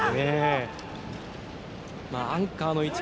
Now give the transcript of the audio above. アンカーの位置